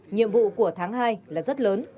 nhiệm vụ của tháng hai là rất lớn